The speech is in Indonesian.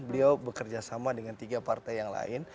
beliau bekerja sama dengan tiga partai yang lain